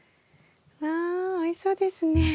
わおいしそうですね。